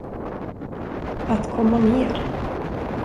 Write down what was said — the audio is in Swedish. Att komma ner.